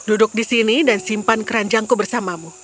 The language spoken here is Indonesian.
duduk di sini dan simpan keranjangku bersamamu